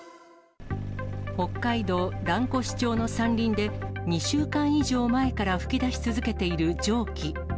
北海道蘭越町の山林で、２週間以上前から噴き出し続けている蒸気。